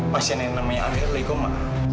pasien yang namanya amira lagi koma